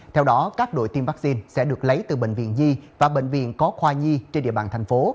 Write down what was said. theo đó các đội tiêm vaccine sẽ được lấy từ bệnh viện nhi và bệnh viện có khoa nhi trên địa bàn thành phố